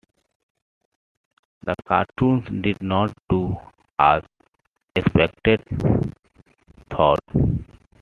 The cartoons did not do as expected though.